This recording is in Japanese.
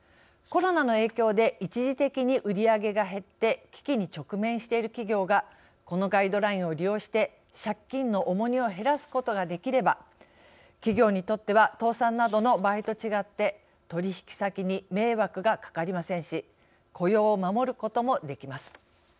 コロナの影響で一時的に売り上げが減って危機に直面している企業がこのガイドラインを利用して借金の重荷を減らすことができれば企業にとっては倒産などの場合と違って取引先に迷惑がかかりませんし雇用を守ることもできます。